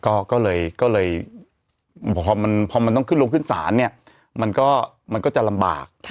ก็ก็เลยก็เลยพอมันพอมันต้องขึ้นลงขึ้นสารเนี่ยมันก็มันก็จะลำบาก